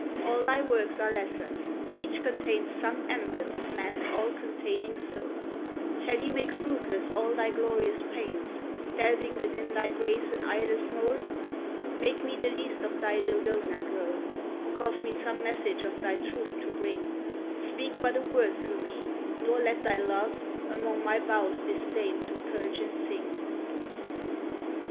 all thy works are lessons, each contains Some emblem of man's all containing soul; Shall he make fruitless all thy glorious pains, Delving within thy grace an eyeless mole? Make me the least of thy Dodona grove, Cause me some message of thy truth to bring, Speak but a word through me, nor let thy love Among my boughs disdain to perch and sing.